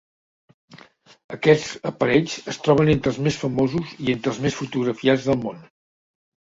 Aquests aparells es troben entre els més famosos i entre els més fotografiats del món.